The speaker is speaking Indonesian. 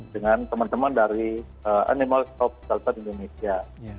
dengan teman teman dari animal shop delta indonesia